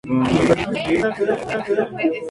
En el río se pesca salmón y trucha.